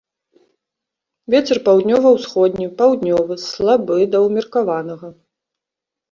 Вецер паўднёва-ўсходні, паўднёвы, слабы да ўмеркаванага.